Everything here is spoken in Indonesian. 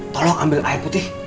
tolong ambil air putih